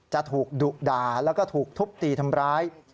จะถูกดุด่าแล้วก็ถูกทุบตีทำร้าย